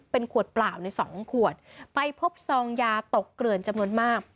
เป็นขวดเปล่าในสองขวดไปพบซองยาตกเกลื่อนจำนวนมาก